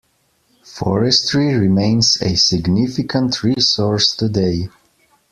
Forestry remains a significant resource today.